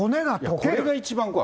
これが一番怖い。